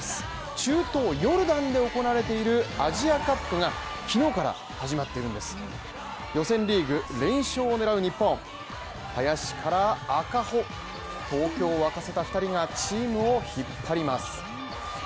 中東ヨルダンで行われているアジアカップが昨日から始まってるんですけど、林から赤穂東京を沸かせた２人がチームを引っ張ります。